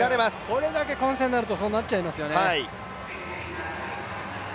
これだけ混戦になると、そうなっちゃいますよね。